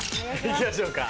行きましょうか。